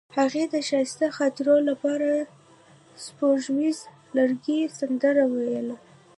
هغې د ښایسته خاطرو لپاره د سپوږمیز لرګی سندره ویله.